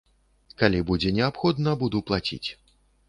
Калі будзе неабходна, буду плаціць.